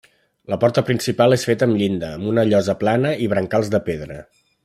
La porta principal és feta amb llinda amb una llosa plana i brancals de pedra.